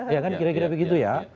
ya kan kira kira begitu ya